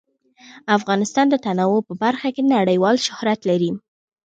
افغانستان د تنوع په برخه کې نړیوال شهرت لري.